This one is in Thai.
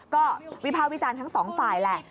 ก็วิภาควิจารณ์ทั้งสองฝ่ายแหละ